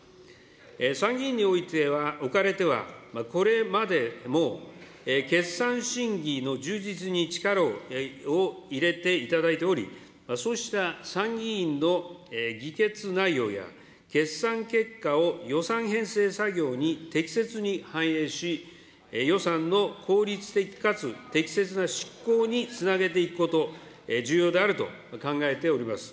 参議院におかれてはこれまでも決算審議の充実に力を入れていただいており、そうした参議院の議決内容や決算結果を予算編成作業に適切に反映し、予算の効率的かつ適切な執行につなげていくこと、重要であると考えております。